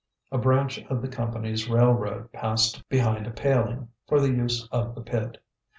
A branch of the Company's railroad passed behind a paling, for the use of the pit.